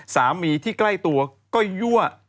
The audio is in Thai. สามีที่ใกล้ตัวก็ยั่ว